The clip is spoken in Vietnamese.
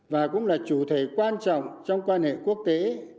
và cũng là chủ thể quan trọng trong quan hệ quốc tế